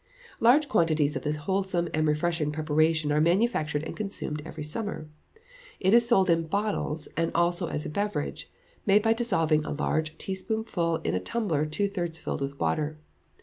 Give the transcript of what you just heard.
Large quantities of this wholesome and refreshing preparation are manufactured and consumed every summer; it is sold in bottles, and also as a beverage, made by dissolving a large teaspoonful in a tumbler two thirds filled with water.